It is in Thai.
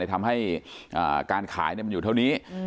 ทำให้การขายมันอยู่เท่านี้